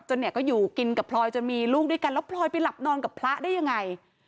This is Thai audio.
เนี่ยก็อยู่กินกับพลอยจนมีลูกด้วยกันแล้วพลอยไปหลับนอนกับพระได้ยังไง